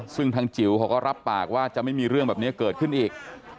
ซึ่งทางจิ๋วเขาก็รับปากว่าจะไม่มีเรื่องแบบนี้เกิดขึ้นอีก